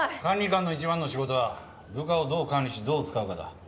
管理官のいちばんの仕事は部下をどう管理しどう使うかだ。